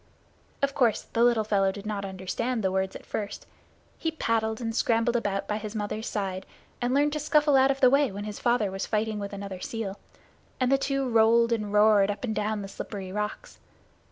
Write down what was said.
Of course the little fellow did not understand the words at first. He paddled and scrambled about by his mother's side, and learned to scuffle out of the way when his father was fighting with another seal, and the two rolled and roared up and down the slippery rocks.